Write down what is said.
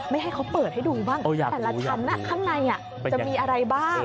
ให้เขาเปิดให้ดูบ้างแต่ละชั้นข้างในจะมีอะไรบ้าง